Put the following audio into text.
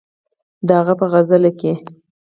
د هغه په غزل کښې